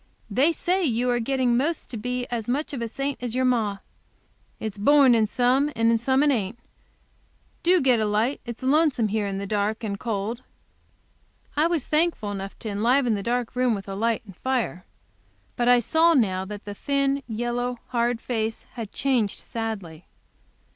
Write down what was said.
They say you are getting most to be as much of a saint as your ma. It's born in some, and in some it ain't. Do get a light. It's lonesome here in the dark, and cold." I was thankful enough to enliven the dark room with light and fire. But I saw now that the thin, yellow, hard face had changed sadly.